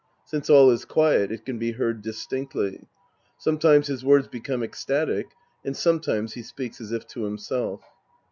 Since all is quiet, it can be heard distinctly. Some times his words become esctatic, and sometimes he speaks as if to himself.)